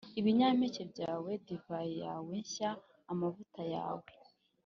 ibinyampeke byawe, divayi yawe nshya, amavuta yawe,